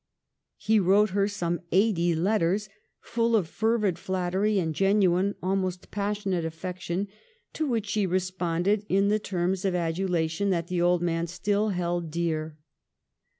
He wrote her some eighty letters full of fervid flat tery and genuine, almost passionate affection, to which she responded in the terms of adulation that the old man still held dear.